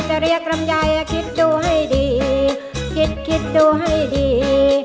จะเรียกลำไยคิดดูให้ดีคิดคิดดูให้ดี